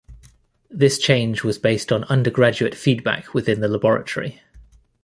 This change was based on undergraduate feedback within the laboratory.